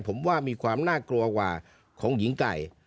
ผมว่ามีความน่ากลัวกว่าของหญิงไก่